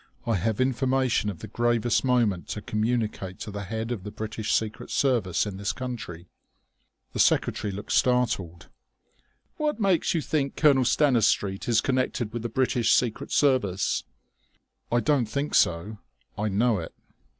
"I have information of the gravest moment to communicate to the head of the British Secret Service in this country." The secretary looked startled. "What makes you think Colonel Stanistreet is connected with the British Secret Service?" "I don't think so; I know it."